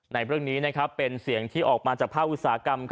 ในเรื่องนี้เป็นเสียงที่ออกมาจากภาคอุตสาหกรรม